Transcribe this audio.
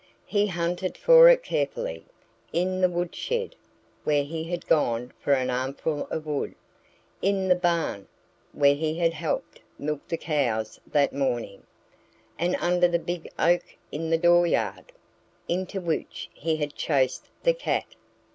He hunted for it carefully in the woodshed (where he had gone for an armful of wood), in the barn (where he had helped milk the cows that morning), and under the big oak in the dooryard (into which he had chased the cat).